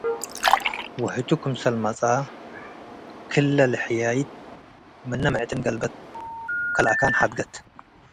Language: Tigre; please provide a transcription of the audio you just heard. ወህቱ ክምሰል መጽአ ክለ ለሕያይት ምነ ምጥዕን ገልበት ከለአካን ሐድገት።